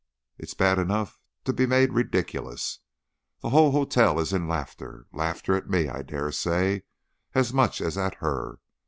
It's bad enough to be made ridiculous the whole hotel is in laughter; laughter at me, I dare say, as much as at her.